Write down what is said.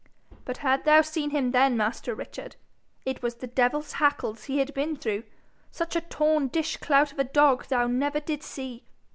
But had thou seen him then, master Richard! It was the devil's hackles he had been through! Such a torn dishclout of a dog thou never did see!